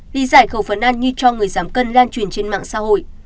lý giải khẩu phần ăn như cho người giảm cân lan truyền trên mạng xã hội